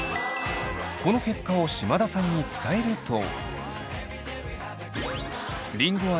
この結果を島田さんに伝えると。